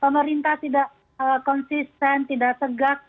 pemerintah tidak konsisten tidak tegak